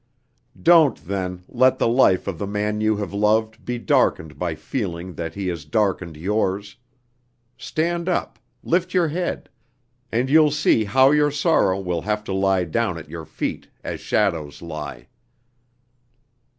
"Don't, then, let the life of the man you have loved be darkened by feeling that he has darkened yours. Stand up, lift your head, and you'll see how your sorrow will have to lie down at your feet as shadows lie."